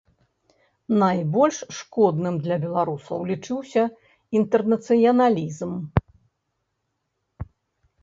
Найбольш шкодным для беларусаў лічыўся інтэрнацыяналізм.